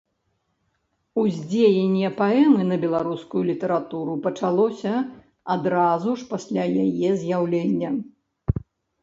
Уздзеянне паэмы на беларускую літаратуру пачалося адразу ж пасля яе з'яўлення.